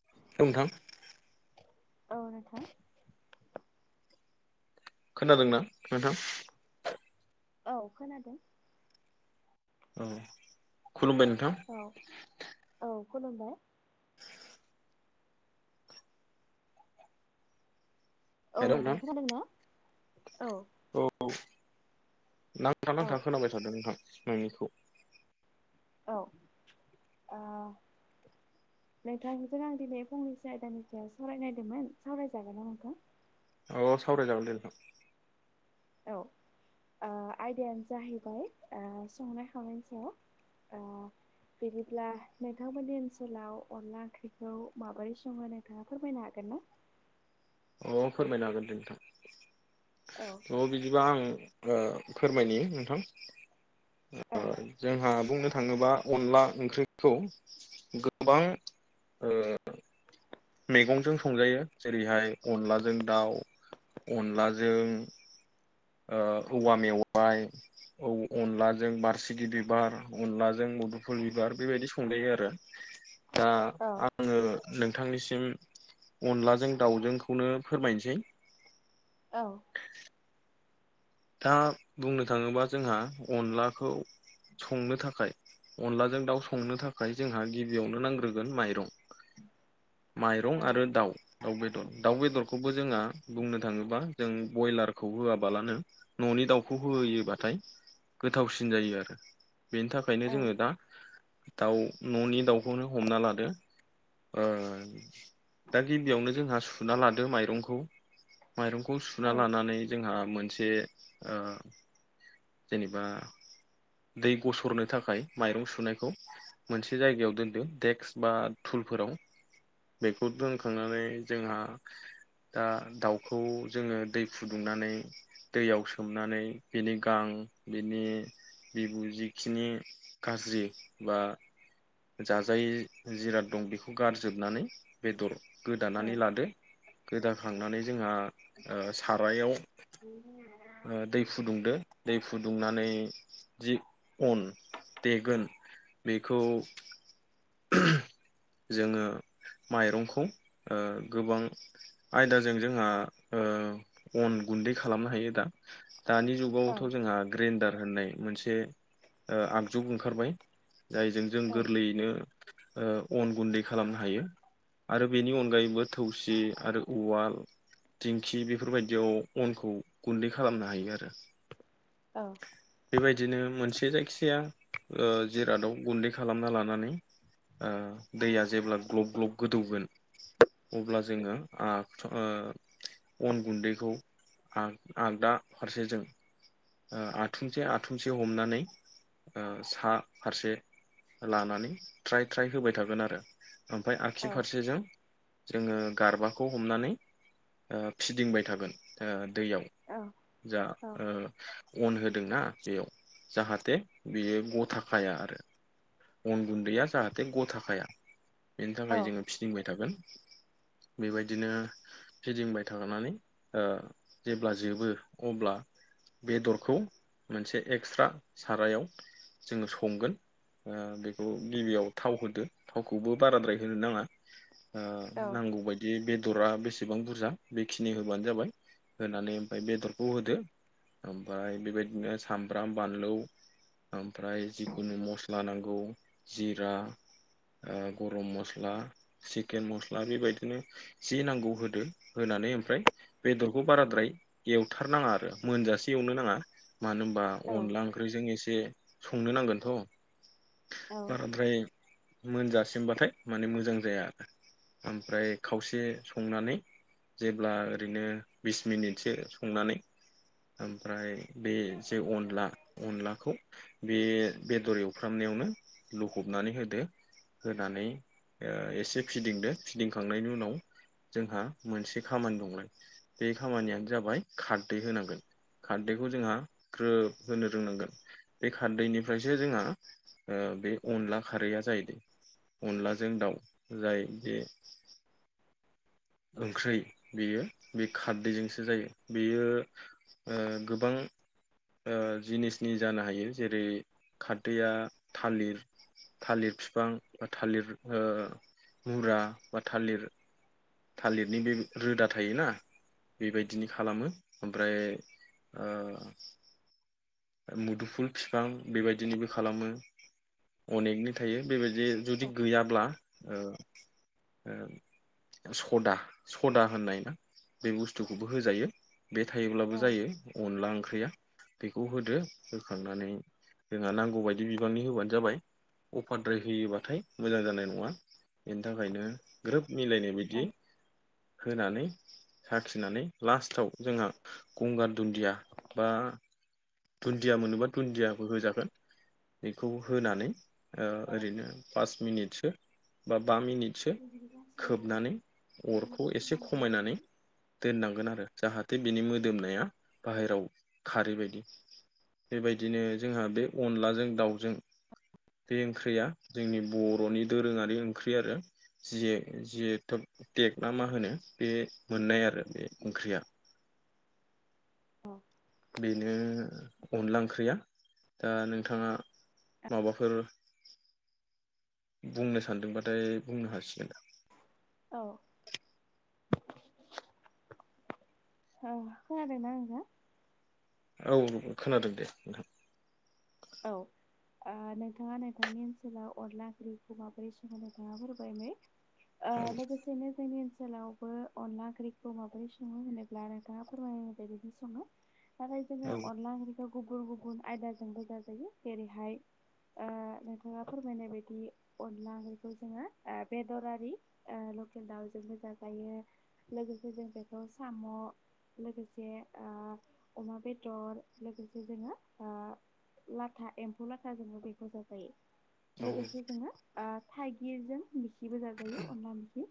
[unintelligible] औ नोंथां। खोनादों ना नोंथां? औ खोनादों। औ खुलुमबाय नोंथां। औ औ खुलुमबाय। औ हेल' आदा नोंथां खोनादोंना औ। औ। नांथा- औ नांथा खोनाबाय थादों नोंथां नोंनिखौ। औ ओ [unintelligible] नोंथांजों आं दिनै फंनैसो आयदानि सायाव सावरायनायदोंमोन सावरायजागोन नामा नोंथां? अ सावराय जागोन दे नोंथां। औ ओ आयदायानो जाहैबाय ओ संनाय- खावनायनि सायाव। ओ [unintelligible] बिदिब्ला नोंथांमोननि ओनसोलाव अनला ओंख्रिखौ माबोरै सङो नोंथाङा फोरमायनो हागोन ना? [unintelligible] औ फोरमायनो हागोन दे नोंथां औ थ' बिदिबा आं ओ फोरमायनि नोंथां औ ओ जोंहा बुंनो थाङोबा अनला ओंख्रिखौ गोबां ओ मैगंजों संजायो जेरैहाय अनलाजों दाउ। अनलाजों ओ औवा मेवाय, अनलाजों बारसिगि बिबार अनलाजों मुदुफुल बिबार बेबायदि संजायो आरो दा औ आङो नोंथांनिसिम अनलाजों दाउजोंखौनो फोरमायनोसै। औ। दा बुंनो थाङोबा जोंहा अनलाखौ संनो थाखाय अनलाजों दाउ संनो थाखाय जोंहा गिबियावनो नांग्रोगोन माइरं। औ माइरं आरो दाउ दाउ बेदर दाउ बेदरखौबो जोंहा बुंनो थाङोब्ला जों बयलारखौ होआबालानो न'नि दाउखौ होयोबाथाय गोथावसिन जायो आरो। बेनि थाखायनो औ जोङो दा दाउ न'नि दाउखौनो हमना लादो। ओ दा गिबियावनो जोंहा सुना लादो माइरंखौ। माइरंखौ सुना औ लानानै जोंहा मोनसे ओ जेनेबा दै गसरनो थाखाय माइरं सुनायखौ मोनसे जायगायाव दोनदो डेक्स बा थु थुल फोराव बेखौ दोनखांनानै जोंहा दा दाउखौ जोङो दै फुदुंनानै दैयाव सोमनानै बिनि गां बिनि बिबु जिखिनि गाज्रि जि बा जाजायै जिराद दं बेखौ गारजोबनानै बेदर गोदानानै लादो गोदाखांनानै जोंहा सारायाव दै फुदुंदो दै फुदुंनानै जि अन देगोन बेखौ जोङो माइरंखौ ओ गोबां आयदाजों जोंहा ओ अन गुन्दै खालामनो हायो दा। दानि औ जुगावथ' जोंहा ग्रेन्डार होननाय मोनसे आगजु ओ ओंखारबाय। जायजों जों औ गोरलैयैनो ओ अन गुन्दै खालामनो हायो। आरो बेनि अनगायैबो थौसि आरो उवाल। दिंखि बेफोरबायदियाव अनखौ गुन्दै खालामनो हायो आरो। बेबायदिनो मोनसे बे जायखिाया जिरादाव गुन्दै खालामना लानानै ओ दैया जेब्ला ग्लब ग्लब गोदौगोन अब्ला जोङो ओ अन गुन्दैखौ आ-आगदा फारसे जों ओ आथुमसे-आथुमसे हमनानै ओ सा फारसे लानानै ट्राय-ट्राय होबाय थागोन आरो ओमफ्राय आग्सि फारसेजों जोङो गारबाखौ हमनानै ओ फिदिंबाय थागोन ओ दैयाव औ जा ओ अन होदोंना बेयाव जाहाथे बियो गथाखाया आरो। अन गुन्दैया जाहाथे गथाखाया बेनि थाखाय जोङो फिदिंबाय थागोन। बेबायदिनो फिदिंबाय थानानै ओ जेब्ला जोबो अब्ला बेदरखौ मोनसे एकस्रा सारायाव जोङो संगोन। ओ बेखौ गिबियाव थाव होदो थावखौबो बाराद्राय होनो नाङा। ओ औ नांगौ बायदियै बे दरा बेसेबां बुरजा बेखिनि होबानो जाबाय होनानै ओमफाय बेदरखौ होदो ओमफ्राय बेबायदिनो सामब्राम बानलु ओमफ्राय जिखुनु मस ला नांगौ जिरा। ओ गरम मस्ला चिकेन मस्ला बेबायदिनो जि नांगौ होदो होना नानै ओमफ्राय बेदरखौ बाराद्राय एवथारनााङा आरो मोनजासे एवनो नाङा। मानो होनबा औ अनला ओंख्रिजों एसे संनो नांगोनथ'। औ बाराद्राय मोनजासिमबाथाय माने मोजां जाया आरो। ओमफ्राय खावसे संनानै जेब्ला ओरैनो बिस मिनिटसो संनानै ओमफ्राय बे जे अनला अनलाखौ बे बेदर एव फ्रामनायावनो लखबनानै होदो। होनानै ओ एसे फिदिंदो फिदिंखांनायनि उनाव जोंहा मोनसे खामानि दंमोन बे खामानियानो जाबाय खारदै होनांगोन। खारदैखौ जोंहा ग्रोब होनो रोंनांगोन बे खारदैनिफ्रायसो जों ओ बे अनला खारैया जाहैदो अनलाजों दाउ जाय बेे [inaudible] ओंख्रै बेयो बे खारदैजोंसो जायो बेयो ओ गोबां ओ जिनिसनि जानो हायो जेरै खारदैया थालिर थालिर फिफां बा थालिर ओ मुरा बा थालिर थालिरनि बे रोदा थायोना बेबायदिनो खालामो ओमफ्राय ओ मुदुफुल फिफां बेबायदिनिबो खालामो अनेकनि थायो बेबाय दि जुदि औ गैयाब्ला ओ-ओ सदा सदा होननाय ना बे बुस्थुखौबो होजायो बे थायोब्लाबो जायो अनला ओंख्रिया। बेखौ होदो होखांनानै जोंहा नांगौबायायदि बिबांनि होबानो जाबाय। अभारद्राय होयोबाथाय मोजां जानाय नङा बेनि थाखायनो ग्रोब मिलायनाय बिदि औ होनानै साखिनानै लास्टाव जोंहा गंगार दुन्दिया बा दुन्दिया मोनोबा दुन्दियााबो होजागोन बेखौ होनानै ओ ओरैनो पास मिनिटसो बा बा मिनिट [unintelligible] अरखौ एसे मानि खमायनानै बिदि दोननांगोन आरो आरो जाहाथे बिनि मोदोमनाया बाहेराव खारै बायदि बेबायदिनो जोंहा बे अनलाजों दाउजों बे ओंख्रैया जोंनि बरनि दोरोङारि ओंख्रै आरो जिये जियेथु टेक ना मा होनो बे मोननाय आरो बे ओंख्रिया औ बेनो अनला ओंख्रैया दा नोंथाङा माबाफोर बुंनो सानदोंबाथाय बुंनो हासिगोन औ औ खानादोंना नोंथाङा औ औ खोनादों दे नोंथां औ ओ नोंथाङा नोंथांनि ओनसोलाव अनला ओंख्रै खौ माबोरै सङो नोंथाङा फोरमायलाय औ ओ लोगोसेनो जोंनि ओनसोलावबो अनला ओंख्रिखौ माबोरै सङो होनोब्ला नोंथाङा फोरमायनाय बदिनो सङो नाथाय जोङो औ अनला ओंख्रिखौ गुबुन गुबुन आयदाजोंबो जाजायो जेरैहाय ओ नोंथाङा फोरमायनाय बायदि अनला ओंख्रिखौ जोङो बेदर आरि लकेल दाउजोंबो जाजायो लोगोसे जों बेखौ साम लोगोसे आ अमा बेदर लोगोसे जोङो‌ आ लाथा एम्फौ लाथा जोंबो बेखौ जाजायो औ लोगोसे जोङो आ थाइगिरजों मिखिबो जाजायो अनला मिखि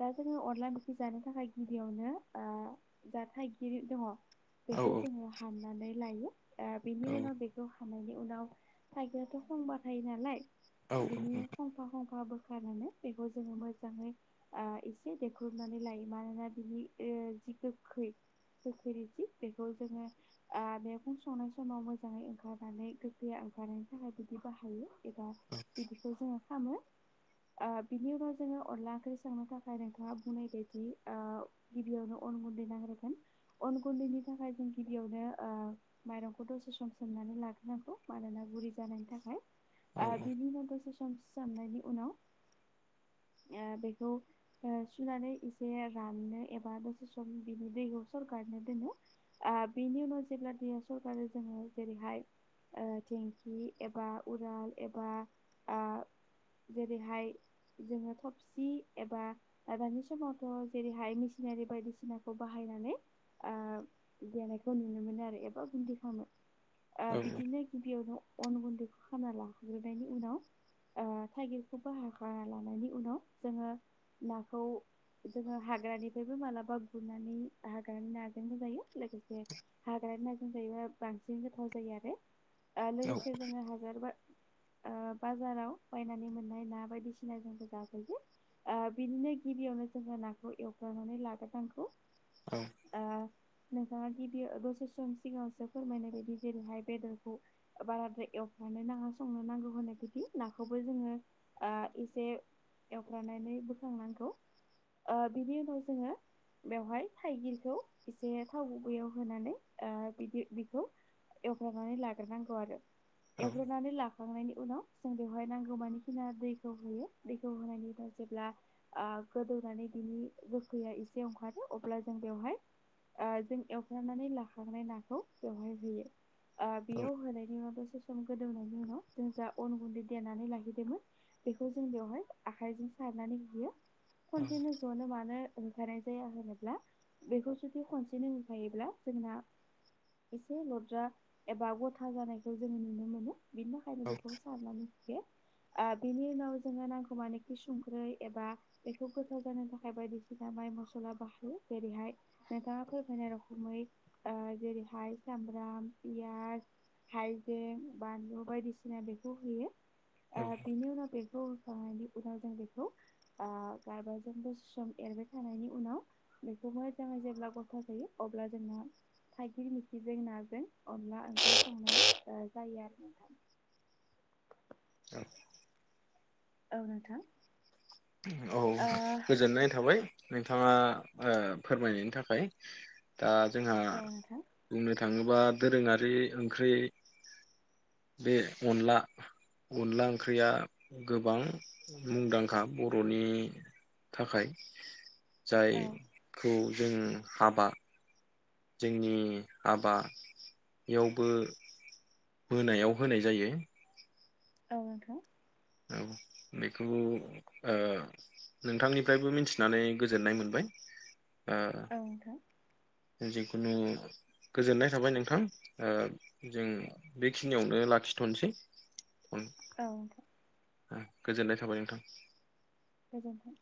दा जोङो अनला मिखि जानो थाखाय गिबियावनो जा थाइगिर दङ औ बेखौ जोङो हाननानै लायो ओ‌‌ बेनि औ उनाव बेखौ हानायनि उनाव थाइगिराथ खंबा थायो नालाय औ बिनि खंफा खंफा फोरखौ हानानै बेखौ जोङो मोजाङै ओ एसे देख्रुबनानै लायो मानोना बिनि जि गोखै गोखैदि बेखौ जोङो आ मैगं संनाय समाव मोजाङै ओंखारनानै गोखैया ओरैनो थाखाय बिदि बाहायो एबा बिदिखौ जोङो खालामो ओ बिनि उनाव जोङो अनला ओंख्रि संनो थाखाय नोंथाङा बुंनायदि ओ गिबियावनो अन गुन्दै नाग्रोगोन अगुन्दैनि बेनि थाखाय जों गिबियावनो ओ माइरंखौ दसे सम सोमनानै लाग्रोनांगौ मानोना गुरि जानायनि थाखाय आ बिनि उनावसो सम सोमनायनि उनाव ओ बे सुनानै एसे राननो एबा दसे सम बिनि दैखौ सरखारनो दोनो आ बेनि उनाव जेब्ला दि सरकारा जोङो जेरै'हाय ओ टेंखि एबा उराल एबा आ जेरै'हाय जोङो थबसि एबा दा दानि समावथ' जेरै'हाय मेसिनारि बायदिसिनाखौ बाहायनानै ओ देनायखौ नुनो मोनो आरो एबा गुन्दै खालामो ओ बिदिनो गिबियावनो अन गुन्दैखौ खामना लाहग्रोनायनि उनाव ओ थाइगिरखौ बो हाखाना लानायनि उनाव जोङो नाखौ जोङो हाग्रानिफ्रायबो मालाबा गुरनानै हाग्रानि नाजोंनो जायो लोगोसे हाग्रानि नाजों जायोबा बांसिन गोथाव जायो आरो ओ लोगोसे जोङो हाजारबा ओ बाजाराव बायनानै मोननाय ना बायदिसिना जोंबो जाफैयोे ओ बिदिनो गिबियावनो जोङो नाखौ एवफ्रामनानै लाग्रो नांगौ औ ओ नोंथाङा गिबियाव दसे सम सिगाङावसो फोरमायनाय बायदि जेरै'हाय बेदरखौ बाराद्राय एव माने नाङा संनो नांगौ होननायदि नाखौबो जोङो ओ एसे लानानै बोखांनांगौ ओ बिनि उनाव जोङो बेवहाय थाइगिरखौ एसे थाव गुबैयाव होनानै ओ बिदि बेखौ एवग्रोनानै लागोर नांगौ आरो औ एवग्रोनानै लाखांनायनि उनाव जों बेवहाय नांगौमानि खिना दैखौ होयो दैखौ होनायनि जेब्ला आ गोदौनानै बिनि गोखैया एसे ओंखारखारो अब्ला जों बेवहाय ओ जों एवफ्रांनानै लाखांनाय नाखौ बेवहाय होयो ओ बेयाव होनायनि माबा सम गोदौनायनि उनाव जों जा अन गुन्दै देनानै लाहैदोंमोन बेखौ जों बेवहाय आखायजों सारनानै होयो खनसेनो जनो मानो [inaudible] जाया होनोब्ला बेखौ जुदि खनसेनो होखायोब्ला जोंना एसे लद्रा एबा गथा जानायखौ जोङो नुनो मोनो बिनि थाखायनो बेखौ सारनानो होयो ओ बिनि उनाव जोङो नांगौ मानि कुसुं ख्रै एबा बेखौ गोथाव जानो थाखाय बायदिसिना बाइ मसला बाहायो जेरै'हाय नोंथाङा फोरमायनाय रोखोमै ओ जेरैहाय सामब्राम, पियास हाइजें, बानलु बायदिसिना बेखौ होयो। ओ बेनि उनाव बेखौ जानायनि उनाव जों बेख ओ गारबाजों दसे सम एरबाय थानायनि उनाव बेखौनो जों जेब्ला गथ जायो अब्ला जोंना थाइगिर मोखिजों नाजों अनला [unintelligible] जायो आरो [unintelligible] [inaudible] औ नोंथां। औ औ गोजोननाय थाबाय नोंथाङा ओ फोरमायनायनि थाखाय दा जोंहा नोंथां बुंनो थाङोबा दोरोङारि ओंख्रि बे अनला अनला ओंख्रिया गोबां मुंदांखा बर'नि थाखाय ओ जायखौ जों हाबा जोंनि हाबायावबो बोनायाव होनाय जायो औ नोंथां औ बेखौ ओ नोंथांनिफ्रायबो मिथिनानै गोजोननाय मोनबाय [inaudible] औ नोंथां जिखुनु गोजोननाय थाबाय नोंथां ओ जों बेखिनियावनो ला खिथनोसै औ गोजोननाय थाबाय नोंथां गोजोन्थों